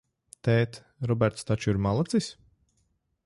Tēt, Roberts taču ir malacis?